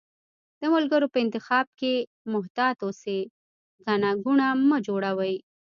د ملګرو په انتخاب کښي محتاط اوسی، ګڼه ګوڼه مه جوړوی